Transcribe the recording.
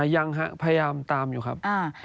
ยังครับพยายามตามอยู่ครับ